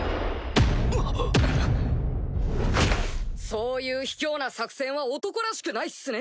そういう卑怯な作戦は男らしくないっすね。